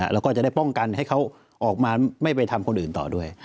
แล้วก็จะได้ป้องกันให้เขาออกมาไม่ไปทำคนอื่นต่อด้วย